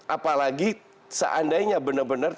apalagi seandainya mereka bergabung dengan juve